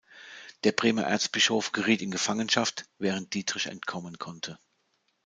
Der Bremer Erzbischof geriet in Gefangenschaft, während Dietrich entkommen konnte.